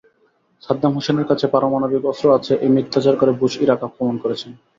সাদ্দাম হোসেনের কাছে পারমাণবিক অস্ত্র আছে—এই মিথ্যাচার করে বুশ ইরাক আক্রমণ করেছেন।